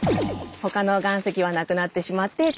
他の岩石はなくなってしまってうん。